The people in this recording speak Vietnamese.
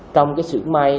trong cái sửu may